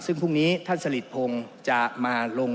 ซึ่งพรุ่งนี้ท่านสลิดพงศ์จะมาลง